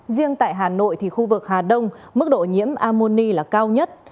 riêng tại hà nội thì khu vực hà đông mức độ nhiễm amoni là cao nhất